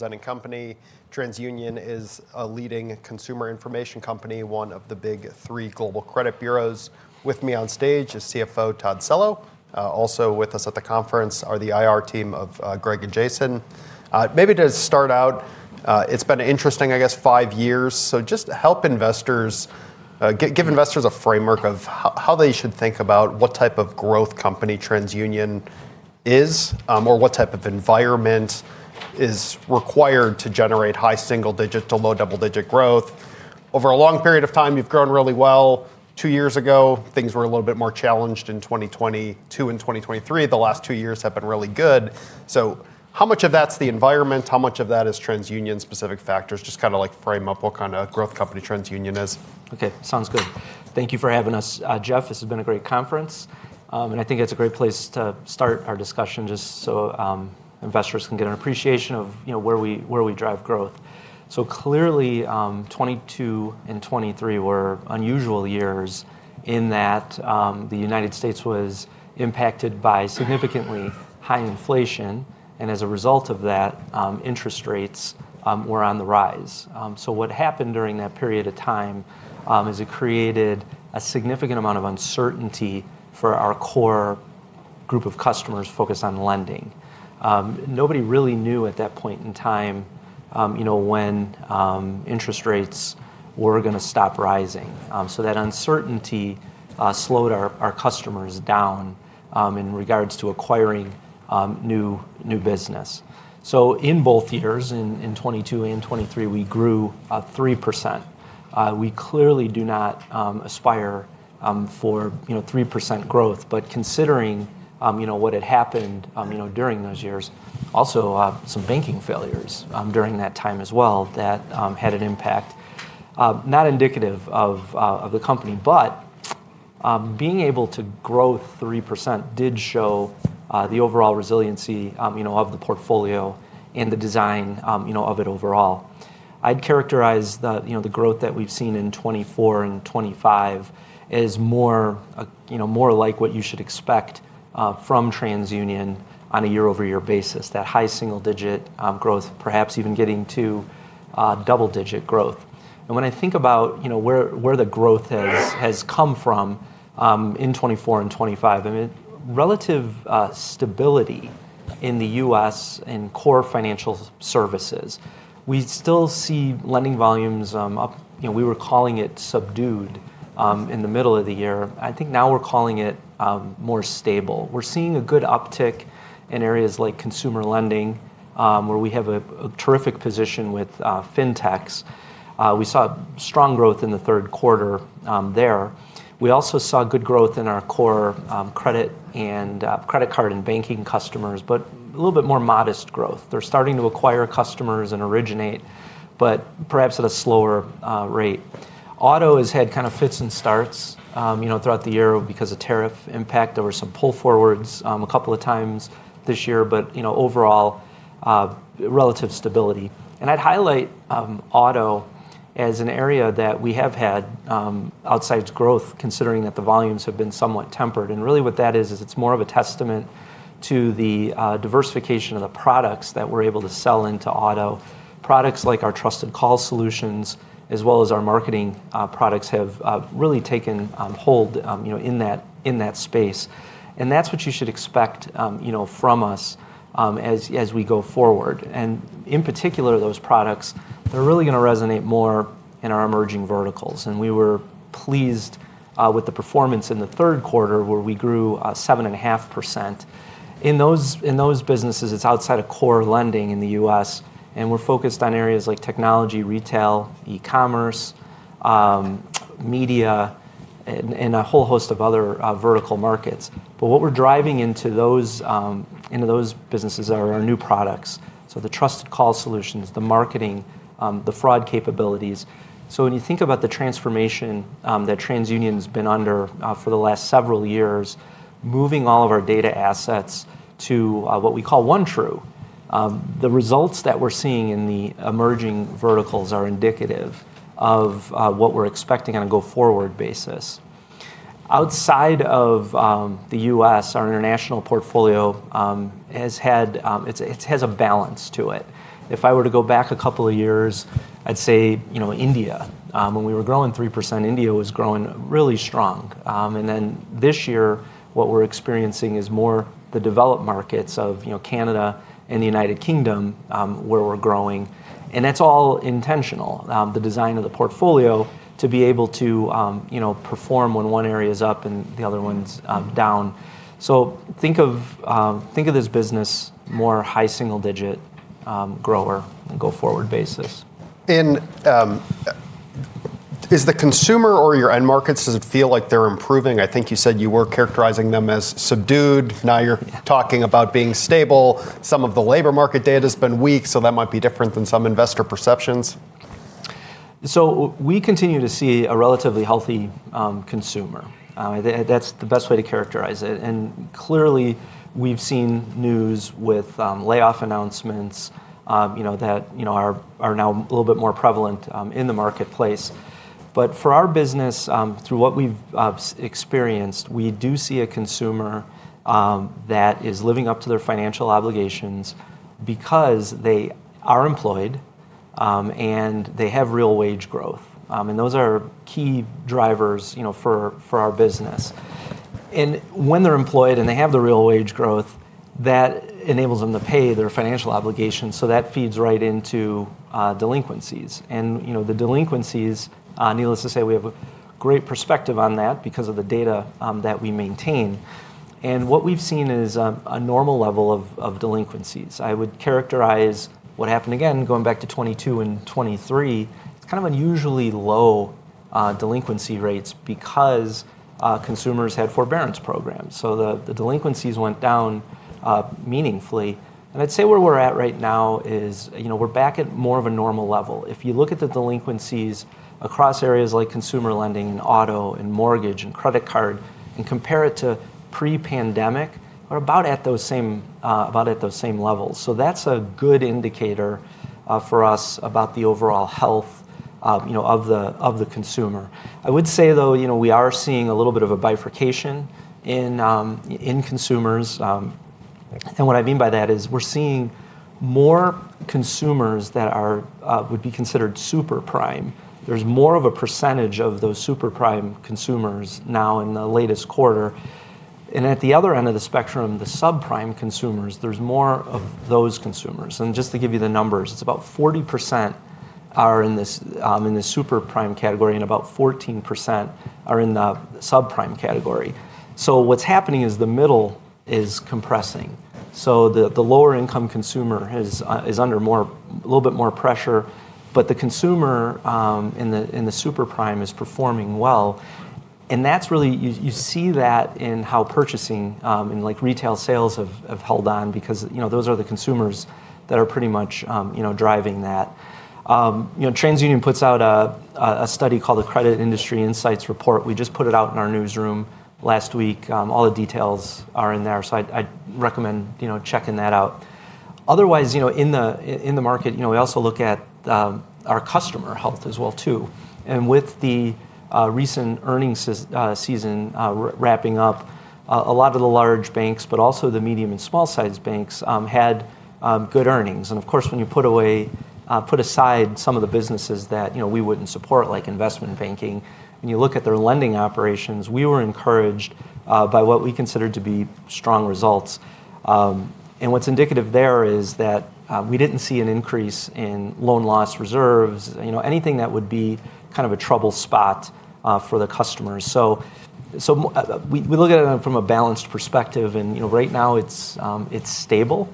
Presenting company, TransUnion is a leading consumer information company, one of the big three global credit bureaus. With me on stage is CFO Todd Cello. Also with us at the conference are the IR team of Greg and Jason. Maybe to start out, it's been an interesting, I guess, five years. Just to help investors, give investors a framework of how they should think about what type of growth company TransUnion is, or what type of environment is required to generate high single-digit to low double-digit growth. Over a long period of time, you've grown really well. Two years ago, things were a little bit more challenged in 2022 and 2023, the last two years have been really good. How much of that's the environment? How much of that is TransUnion-specific factors? Just kind of like frame up what kind of growth company TransUnion is. OK, sounds good. Thank you for having us, Jeff. This has been a great conference. I think it's a great place to start our discussion just so investors can get an appreciation of where we drive growth. Clearly, 2022 and 2023 were unusual years in that the United States was impacted by significantly high inflation and as a result of that, interest rates were on the rise. What happened during that period of time is it created a significant amount of uncertainty for our core group of customers focused on lending. Nobody really knew at that point in time when interest rates were going to stop rising. That uncertainty slowed our customers down in regards to acquiring new business. In both years, in 2022 and 2023, we grew 3%. We clearly do not aspire for 3% growth but considering what had happened during those years, also some banking failures during that time as well that had an impact not indicative of the company. Being able to grow 3% did show the overall resiliency of the portfolio and the design of it overall. I would characterize the growth that we have seen in 2024 and 2025 as more like what you should expect from TransUnion on a year-over-year basis, that high single-digit growth, perhaps even getting to double-digit growth. When I think about where the growth has come from in 2024 and 2025, I mean, relative stability in the U.S. and core financial services. We still see lending volumes up. We were calling it subdued in the middle of the year. I think now we are calling it more stable. We are seeing a good uptick in areas like consumer lending, where we have a terrific position with fintechs. We saw strong growth in the third quarter there. We also saw good growth in our credit and credit card and banking customers, but a little bit more modest growth. They're starting to acquire customers and originate, but perhaps at a slower rate. Auto has had kind of fits and starts throughout the year because of tariff impact. There were some pull forwards a couple of times this year. Overall, relative stability. I would highlight auto as an area that we have had outsized growth, considering that the volumes have been somewhat tempered. What that is, is it's more of a testament to the diversification of the products that we're able to sell into auto. Products like our Trusted Call Solutions, as well as our marketing products, have really taken hold in that space. That's what you should expect from us as we go forward. In particular, those products, they're really going to resonate more in our emerging verticals. We were pleased with the performance in the third quarter, where we grew 7.5%. In those businesses, it's outside of core lending in the U.S. We're focused on areas like technology, retail, e-commerce, media, and a whole host of other vertical markets. What we're driving into those businesses are our new products. The Trusted Call Solutions, the marketing, the fraud capabilities. When you think about the transformation that TransUnion has been under for the last several years, moving all of our data assets to what we call OneTrue, the results that we're seeing in the emerging verticals are indicative of what we're expecting on a go forward basis. Outside of the U.S., our international portfolio has had, it has a balance to it. If I were to go back a couple of years, I'd say India. When we were growing 3%, India was growing really strong. This year, what we're experiencing is more the developed markets of Canada and the United Kingdom, where we're growing. That is all intentional, the design of the portfolio to be able to perform when one area is up and the other one's down. Think of this business more high single-digit grower on a go forward basis. Is the consumer or your end markets, does it feel like they're improving? I think you said you were characterizing them as subdued. Now you're talking about being stable. Some of the labor market data has been weak, so that might be different than some investor perceptions. We continue to see a relatively healthy consumer. That's the best way to characterize it. Clearly, we've seen news with layoff announcements that are now a little bit more prevalent in the marketplace. For our business, through what we've experienced, we do see a consumer that is living up to their financial obligations because they are employed and they have real wage growth. Those are key drivers for our business. When they're employed and they have the real wage growth, that enables them to pay their financial obligations. That feeds right into delinquencies. The delinquencies, needless to say, we have a great perspective on that because of the data that we maintain. What we've seen is a normal level of delinquencies. I would characterize what happened again, going back to 2022 and 2023, it's kind of unusually low delinquency rates because consumers had forbearance programs. The delinquencies went down meaningfully. I would say where we're at right now is we're back at more of a normal level. If you look at the delinquencies across areas like consumer lending and auto and mortgage and credit card and compare it to pre-pandemic, we're about at those same levels. That's a good indicator for us about the overall health of the consumer. I would say, though, we are seeing a little bit of a bifurcation in consumers. What I mean by that is we're seeing more consumers that would be considered super prime. There's more of a percentage of those super prime consumers now in the latest quarter. At the other end of the spectrum, the subprime consumers, there's more of those consumers. Just to give you the numbers, it's about 40% are in the super prime category and about 14% are in the subprime category. What's happening is the middle is compressing. The lower income consumer is under a little bit more pressure. The consumer in the super prime is performing well. You see that in how purchasing and retail sales have held on because those are the consumers that are pretty much driving that. TransUnion puts out a study called the Credit Industry Insights Report. We just put it out in our newsroom last week. All the details are in there. I'd recommend checking that out. Otherwise, in the market, we also look at our customer health as well, too. With the recent earnings season wrapping up, a lot of the large banks, but also the medium and small-sized banks, had good earnings. Of course, when you put aside some of the businesses that we would not support, like investment banking, and you look at their lending operations, we were encouraged by what we considered to be strong results. What is indicative there is that we did not see an increase in loan loss reserves, anything that would be kind of a trouble spot for the customers. We look at it from a balanced perspective. Right now, it is stable.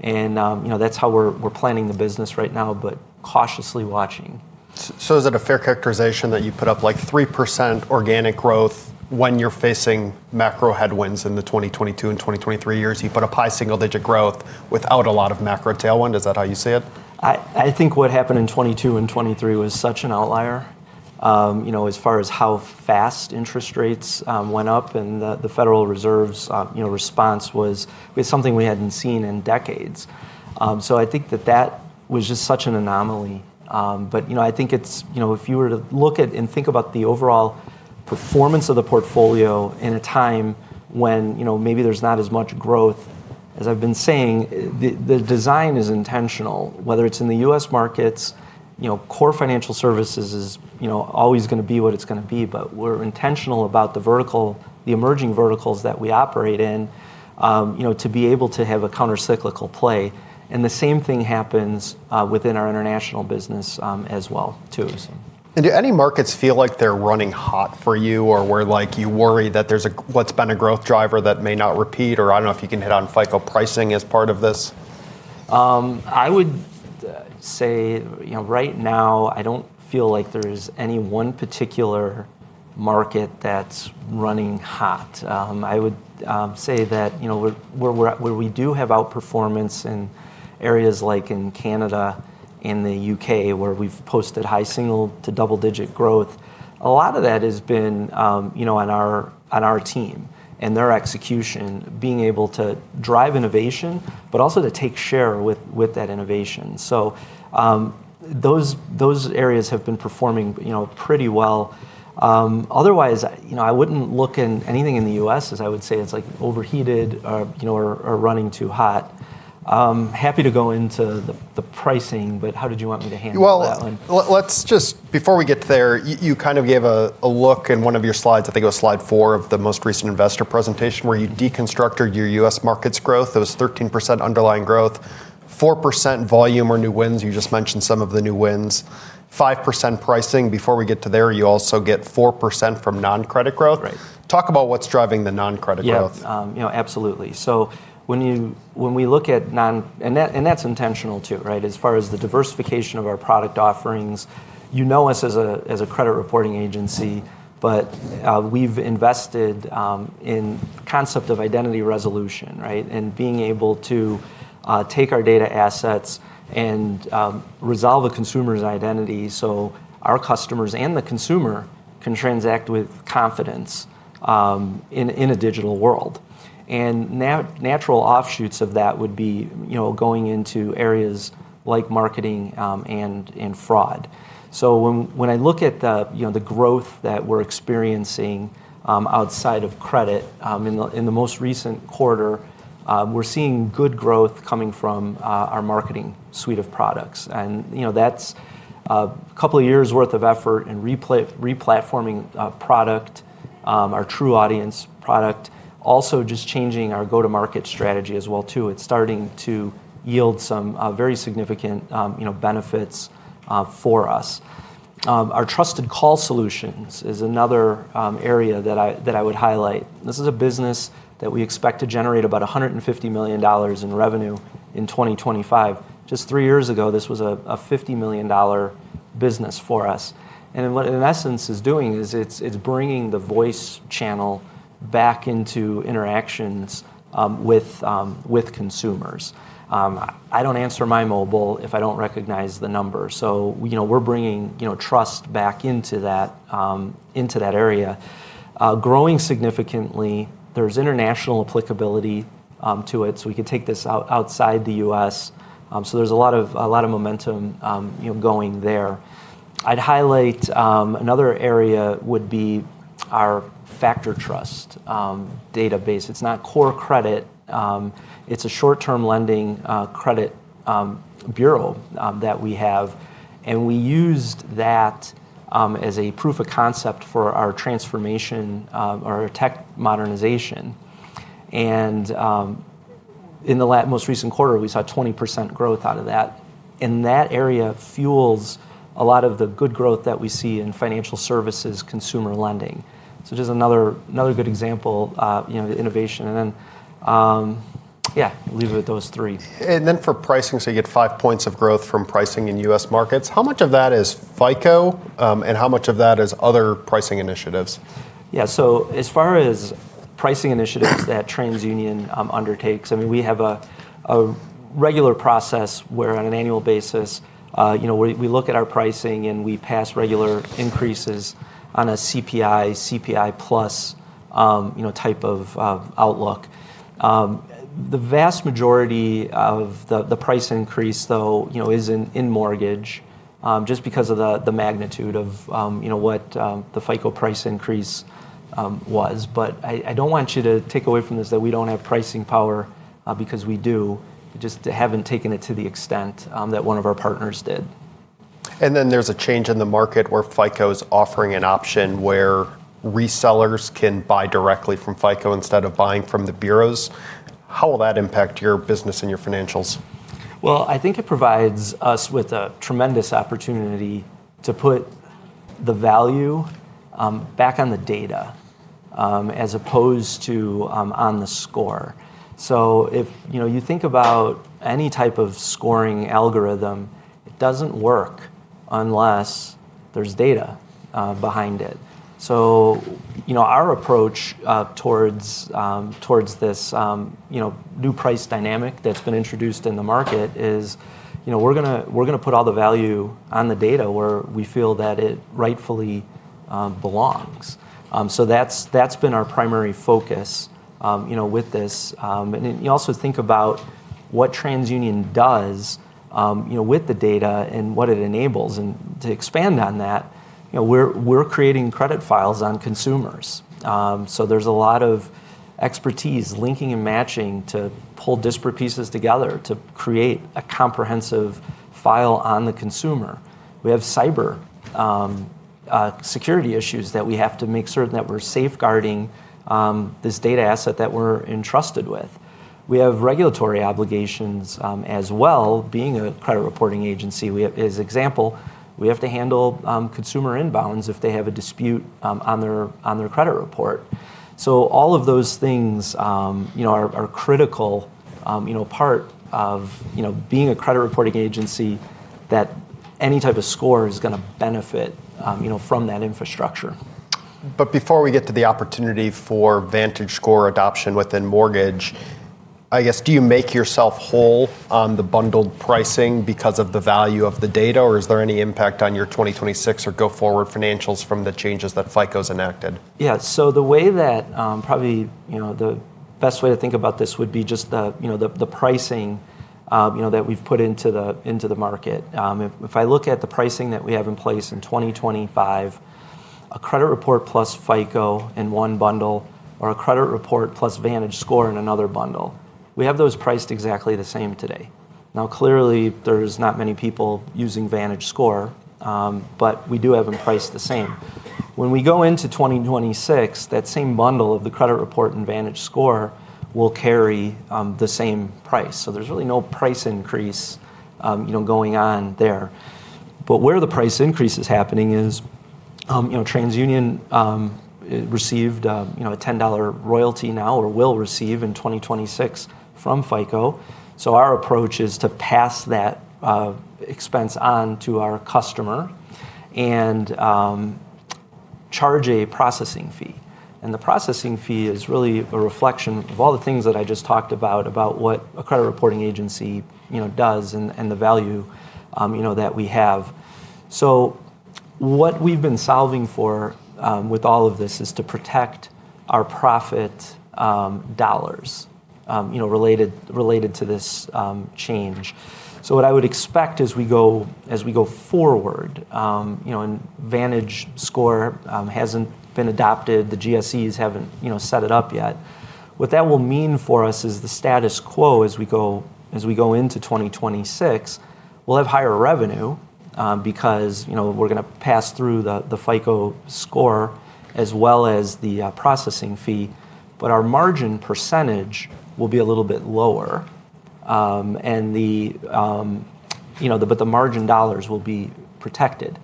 That is how we are planning the business right now, but cautiously watching. Is it a fair characterization that you put up like 3% organic growth when you're facing macro headwinds in the 2022 and 2023 years? You put up high single-digit growth without a lot of macro tailwind. Is that how you see it? I think what happened in 2022 and 2023 was such an outlier as far as how fast interest rates went up. The Federal Reserve's response was, it's something we hadn't seen in decades. I think that that was just such an anomaly. I think if you were to look at and think about the overall performance of the portfolio in a time when maybe there's not as much growth, as I've been saying, the design is intentional. Whether it's in the U.S. markets, core financial services is always going to be what it's going to be. We're intentional about the vertical, the emerging verticals that we operate in, to be able to have a countercyclical play. The same thing happens within our international business as well, too. Do any markets feel like they're running hot for you or where you worry that there's what's been a growth driver that may not repeat? I don't know if you can hit on FICO pricing as part of this. I would say right now, I don't feel like there is any one particular market that's running hot. I would say that where we do have outperformance in areas like in Canada and the U.K., where we've posted high single to double-digit growth, a lot of that has been on our team and their execution, being able to drive innovation, but also to take share with that innovation. So those areas have been performing pretty well. Otherwise, I wouldn't look at anything in the U.S. as I would say it's overheated or running too hot. Happy to go into the pricing, but how did you want me to handle that one? Let's just, before we get there, you kind of gave a look in one of your slides, I think it was slide four of the most recent investor presentation, where you deconstructed your U.S. markets growth. There was 13% underlying growth, 4% volume or new wins. You just mentioned some of the new wins, 5% pricing. Before we get to there, you also get 4% from non-credit growth. Talk about what's driving the non-credit growth. Yes, absolutely. When we look at, and that's intentional, too, as far as the diversification of our product offerings. You know us as a credit reporting agency, but we've invested in the concept of identity resolution and being able to take our data assets and resolve a consumer's identity so our customers and the consumer can transact with confidence in a digital world. Natural offshoots of that would be going into areas like marketing and fraud. When I look at the growth that we're experiencing outside of credit, in the most recent quarter, we're seeing good growth coming from our marketing suite of products. That's a couple of years' worth of effort in replatforming product, our True Audience product, also just changing our go-to-market strategy as well, too. It's starting to yield some very significant benefits for us. Our Trusted Call Solutions is another area that I would highlight. This is a business that we expect to generate about $150 million in revenue in 2025. Just three years ago, this was a $50 million business for us. And what it in essence is doing is it's bringing the voice channel back into interactions with consumers. I don't answer my mobile if I don't recognize the number. We are bringing trust back into that area. Growing significantly, there's international applicability to it. We could take this outside the U.S. There is a lot of momentum going there. I'd highlight another area would be our Factor Trust database. It's not core credit. It's a short-term lending credit bureau that we have. We used that as a proof of concept for our transformation or tech modernization. In the most recent quarter, we saw 20% growth out of that. That area fuels a lot of the good growth that we see in financial services consumer lending. Just another good example of innovation. Yeah, leave it with those three. For pricing, you get five points of growth from pricing in U.S. markets. How much of that is FICO and how much of that is other pricing initiatives? Yeah, so as far as pricing initiatives that TransUnion undertakes, I mean, we have a regular process where on an annual basis, we look at our pricing and we pass regular increases on a CPI, CPI+ type of outlook. The vast majority of the price increase, though, is in mortgage just because of the magnitude of what the FICO price increase was. I do not want you to take away from this that we do not have pricing power because we do, just have not taken it to the extent that one of our partners did. There is a change in the market where FICO is offering an option where resellers can buy directly from FICO instead of buying from the bureaus. How will that impact your business and your financials? I think it provides us with a tremendous opportunity to put the value back on the data as opposed to on the score. If you think about any type of scoring algorithm, it does not work unless there is data behind it. Our approach towards this new price dynamic that has been introduced in the market is we are going to put all the value on the data where we feel that it rightfully belongs. That has been our primary focus with this. You also think about what TransUnion does with the data and what it enables. To expand on that, we are creating credit files on consumers. There is a lot of expertise linking and matching to pull disparate pieces together to create a comprehensive file on the consumer. We have cyber security issues that we have to make certain that we're safeguarding this data asset that we're entrusted with. We have regulatory obligations as well. Being a credit reporting agency, as an example, we have to handle consumer inbounds if they have a dispute on their credit report. All of those things are a critical part of being a credit reporting agency that any type of score is going to benefit from that infrastructure. Before we get to the opportunity for VantageScore adoption within mortgage, I guess, do you make yourself whole on the bundled pricing because of the value of the data or is there any impact on your 2026 or go forward financials from the changes that FICO has enacted? Yeah, so the way that probably the best way to think about this would be just the pricing that we've put into the market. If I look at the pricing that we have in place in 2025, a credit report plus FICO in one bundle or a credit report plus VantageScore in another bundle, we have those priced exactly the same today. Now, clearly, there's not many people using VantageScore, but we do have them priced the same. When we go into 2026, that same bundle of the credit report and VantageScore will carry the same price. There is really no price increase going on there. Where the price increase is happening is TransUnion received a $10 royalty now or will receive in 2026 from FICO. Our approach is to pass that expense on to our customer and charge a processing fee. The processing fee is really a reflection of all the things that I just talked about, about what a credit reporting agency does and the value that we have. What we've been solving for with all of this is to protect our profit dollars related to this change. What I would expect as we go forward, and VantageScore hasn't been adopted, the GSEs haven't set it up yet. What that will mean for us is the status quo as we go into 2026, we'll have higher revenue because we're going to pass through the FICO Score as well as the processing fee but our margin percentage will be a little bit lower. The margin dollars will be protected.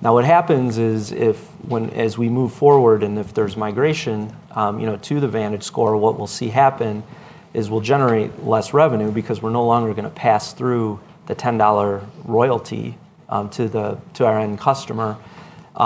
Now, what happens is if, as we move forward and if there is migration to the VantageScore, what we will see happen is we will generate less revenue because we are no longer going to pass through the $10 royalty to our end customer. We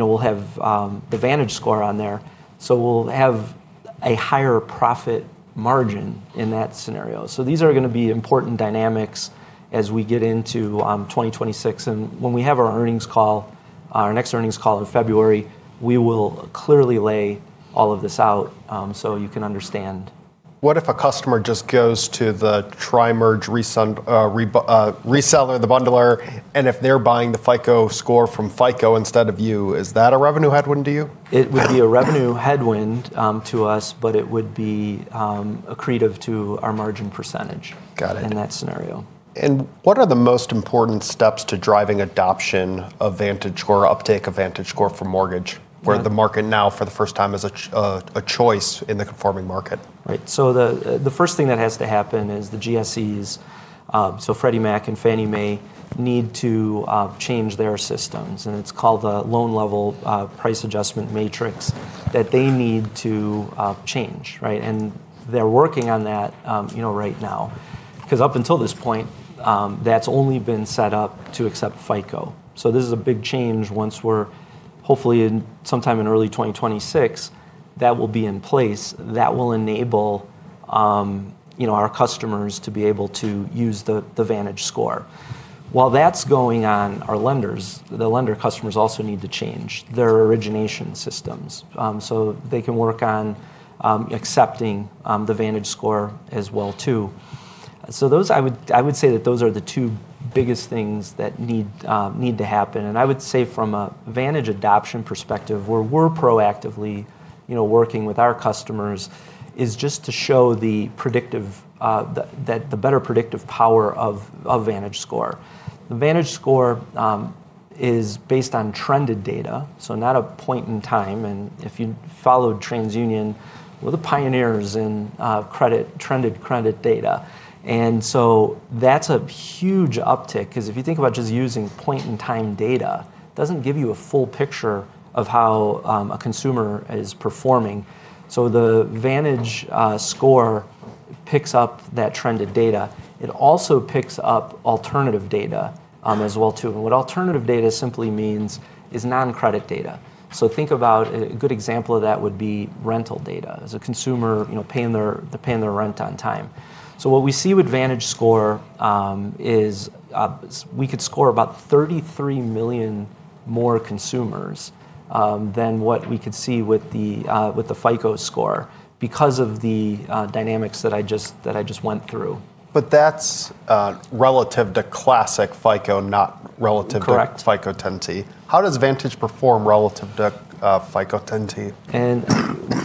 will have the VantageScore on there, so we will have a higher profit margin in that scenario. These are going to be important dynamics as we get into 2026. When we have our earnings call, our next earnings call in February, we will clearly lay all of this out so you can understand. What if a customer just goes to the TriMerge reseller, the bundler, and if they're buying the FICO score from FICO instead of you, is that a revenue headwind to you? It would be a revenue headwind to us, but it would be accretive to our margin percentage in that scenario. What are the most important steps to driving adoption of VantageScore or uptake of VantageScore for mortgage, where the market now for the first time is a choice in the conforming market? Right. The first thing that has to happen is the GSEs, so Freddie Mac and Fannie Mae, need to change their systems. It is called the loan level price adjustment matrix that they need to change. They are working on that right now. Up until this point, that has only been set up to accept FICO. This is a big change. Once we are, hopefully sometime in early 2026, that will be in place. That will enable our customers to be able to use the VantageScore. While that is going on, our lenders, the lender customers also need to change their origination systems so they can work on accepting the VantageScore as well, too. I would say that those are the two biggest things that need to happen. I would say from a Vantage adoption perspective, where we're proactively working with our customers is just to show the better predictive power of VantageScore. The VantageScore is based on trended data, not a point in time. If you followed TransUnion, we're the pioneers in trended credit data. That's a huge uptick because if you think about just using point-in-time data, it doesn't give you a full picture of how a consumer is performing. The VantageScore picks up that trended data. It also picks up alternative data as well, too. What alternative data simply means is non-credit data. Think about a good example of that would be rental data as a consumer paying their rent on time. What we see with VantageScore is we could score about 33 million more consumers than what we could see with the FICO score because of the dynamics that I just went through. That's relative to classic FICO, not relative to FICO 20. How does Vantage perform relative to FICO 20?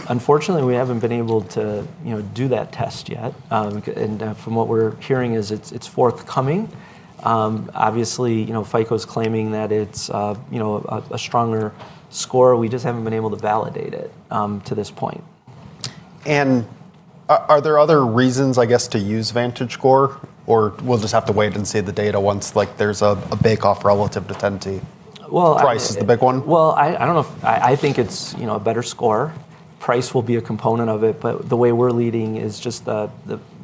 Unfortunately, we haven't been able to do that test yet. From what we're hearing, it's forthcoming. Obviously, FICO is claiming that it's a stronger score. We just haven't been able to validate it to this point. Are there other reasons, I guess, to use VantageScore or we'll just have to wait and see the data once there's a bake-off relative to 20 price is the big one? I don't know. I think it's a better score. Price will be a component of it. The way we're leading is just the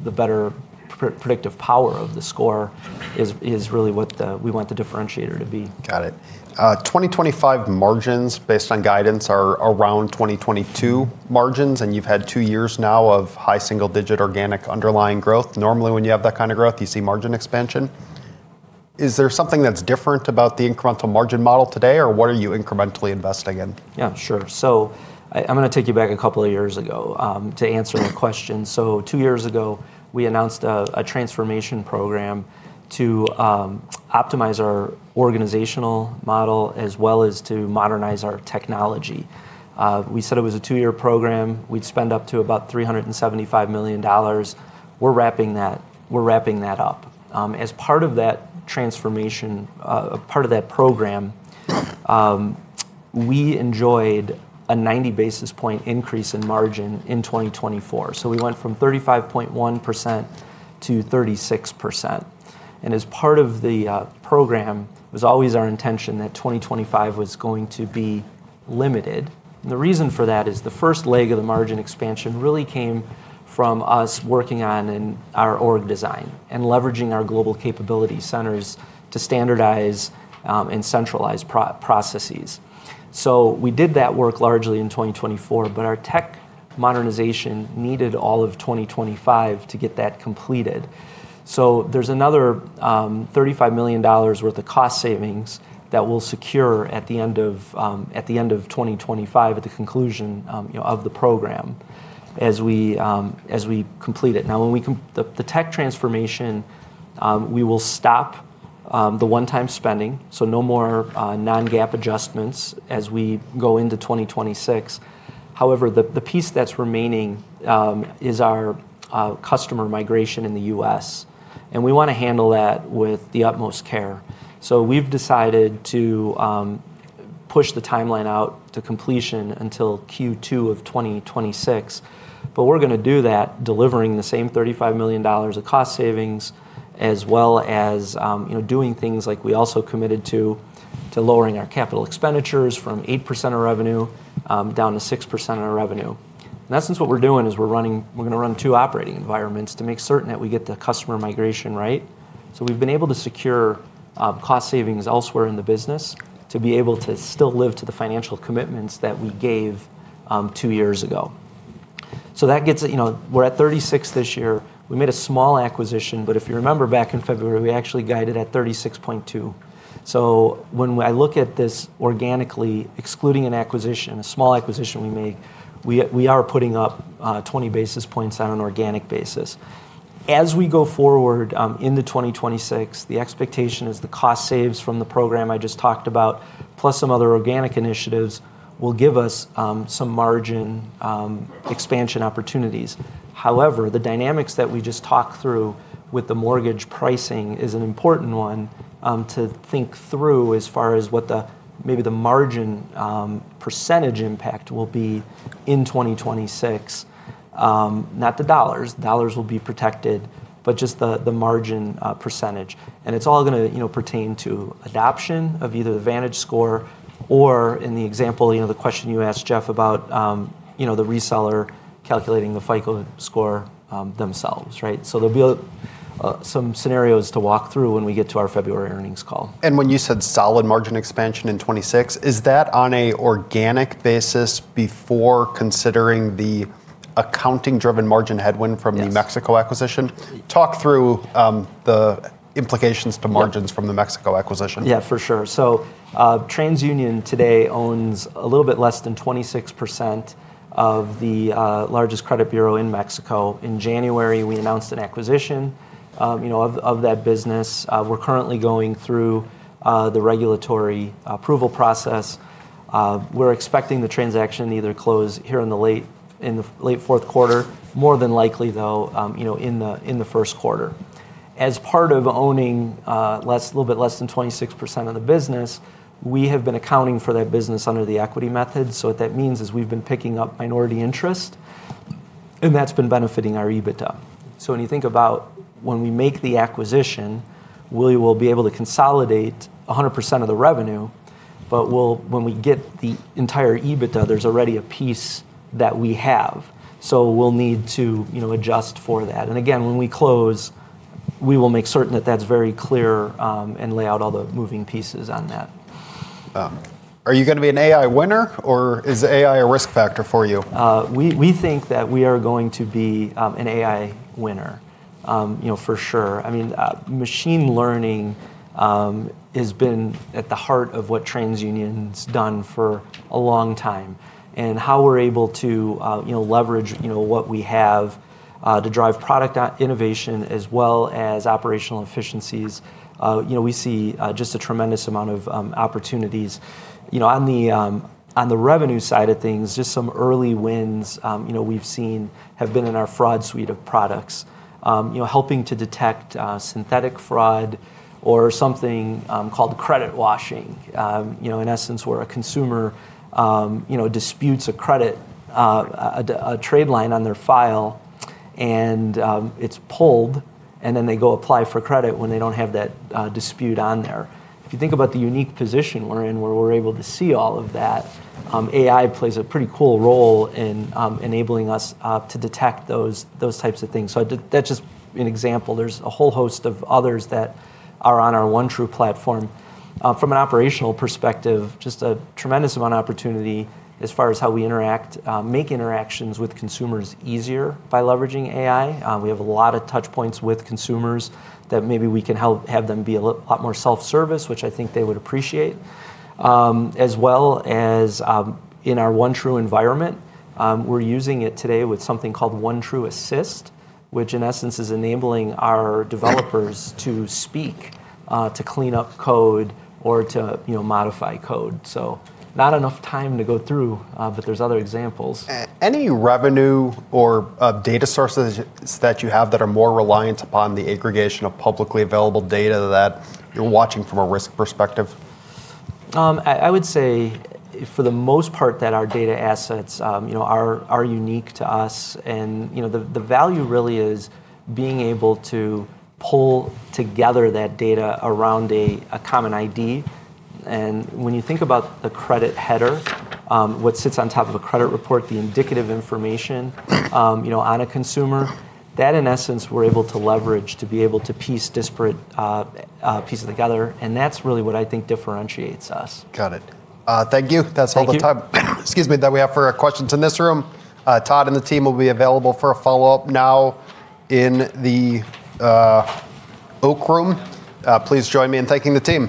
better predictive power of the score is really what we want the differentiator to be. Got it. 2025 margins based on guidance are around 2022 margins. And you've had two years now of high single-digit organic underlying growth. Normally, when you have that kind of growth, you see margin expansion. Is there something that's different about the incremental margin model today or what are you incrementally investing in? Yeah, sure. I'm going to take you back a couple of years ago to answer a question. Two years ago, we announced a transformation program to optimize our organizational model as well as to modernize our technology. We said it was a two-year program. We'd spend up to about $375 million. We're wrapping that up. As part of that transformation, part of that program, we enjoyed a 90 basis point increase in margin in 2024. We went from 35.1% to 36%. As part of the program, it was always our intention that 2025 was going to be limited. The reason for that is the first leg of the margin expansion really came from us working on our org design and leveraging our global capability centers to standardize and centralize processes. We did that work largely in 2024. Our tech modernization needed all of 2025 to get that completed. There is another $35 million worth of cost savings that we will secure at the end of 2025 at the conclusion of the program as we complete it. Now, the tech transformation, we will stop the one-time spending, so no more non-GAAP adjustments as we go into 2026. However, the piece that is remaining is our customer migration in the U.S. and we want to handle that with the utmost care. We have decided to push the timeline out to completion until Q2 of 2026. We are going to do that, delivering the same $35 million of cost savings as well as doing things like we also committed to lowering our capital expenditures from 8% of revenue down to 6% of revenue. That is just what we are doing is we are going to run two operating environments to make certain that we get the customer migration right. We have been able to secure cost savings elsewhere in the business to be able to still live to the financial commitments that we gave two years ago. We are at 36 this year. We made a small acquisition. If you remember back in February, we actually guided at 36.2. When I look at this organically, excluding an acquisition, a small acquisition we made, we are putting up 20 basis points on an organic basis. As we go forward into 2026, the expectation is the cost saves from the program I just talked about, plus some other organic initiatives, will give us some margin expansion opportunities. However, the dynamics that we just talked through with the mortgage pricing is an important one to think through as far as what maybe the margin percentage impact will be in 2026. Not the dollars, dollars will be protected, but just the margin percentage. It is all going to pertain to adoption of either the VantageScore or, in the example, the question you asked, Jeff, about the reseller calculating the FICO score themselves. There will be some scenarios to walk through when we get to our February earnings call. When you said solid margin expansion in 2026, is that on an organic basis before considering the accounting-driven margin headwind from the Mexico acquisition? Talk through the implications to margins from the Mexico acquisition. Yeah, for sure. TransUnion today owns a little bit less than 26% of the largest credit bureau in Mexico. In January, we announced an acquisition of that business. We're currently going through the regulatory approval process. We're expecting the transaction either close here in the late fourth quarter, more than likely, though, in the first quarter. As part of owning a little bit less than 26% of the business, we have been accounting for that business under the equity method. What that means is we've been picking up minority interest and that's been benefiting our EBITDA. When you think about when we make the acquisition, we will be able to consolidate 100% of the revenue. When we get the entire EBITDA, there's already a piece that we have, so we'll need to adjust for that. When we close, we will make certain that that's very clear and lay out all the moving pieces on that. Are you going to be an AI winner or is AI a risk factor for you? We think that we are going to be an AI winner for sure. I mean, machine learning has been at the heart of what TransUnion's done for a long time. How we're able to leverage what we have to drive product innovation as well as operational efficiencies, we see just a tremendous amount of opportunities. On the revenue side of things, just some early wins we've seen have been in our fraud suite of products, helping to detect synthetic fraud or something called credit washing. In essence, where a consumer disputes a credit trade line on their file and it's pulled, and then they go apply for credit when they don't have that dispute on there. If you think about the unique position we're in, where we're able to see all of that, AI plays a pretty cool role in enabling us to detect those types of things. That is just an example. There is a whole host of others that are on our OneTrue platform. From an operational perspective, just a tremendous amount of opportunity as far as how we make interactions with consumers easier by leveraging AI. We have a lot of touchpoints with consumers that maybe we can have them be a lot more self-service, which I think they would appreciate, as well as in our OneTrue environment, we are using it today with something called OneTrue Assist, which in essence is enabling our developers to speak, to clean up code, or to modify code. Not enough time to go through, but there are other examples. Any revenue or data sources that you have that are more reliant upon the aggregation of publicly available data that you're watching from a risk perspective? I would say, for the most part, that our data assets are unique to us. The value really is being able to pull together that data around a common ID. When you think about the credit header, what sits on top of a credit report, the indicative information on a consumer, that in essence, we are able to leverage to be able to piece disparate pieces together. That is really what I think differentiates us. Got it. Thank you. That's all the time that we have for questions in this room. Todd and the team will be available for a follow-up now in the Oak Room. Please join me in thanking the team.